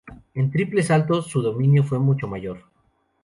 En triple salto su dominio fue mucho mayor.